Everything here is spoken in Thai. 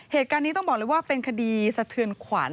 เหตุการณ์นี้ต้องบอกเลยว่าเป็นคดีสะเทือนขวัญ